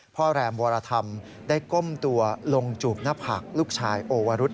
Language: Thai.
แรมวรธรรมได้ก้มตัวลงจูบหน้าผักลูกชายโอวรุษ